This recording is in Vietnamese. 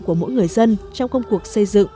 của mỗi người dân trong công cuộc xây dựng